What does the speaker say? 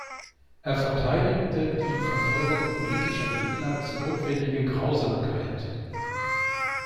Er verteidigte die Verfolgung politischer Gegner als „notwendige Grausamkeit“.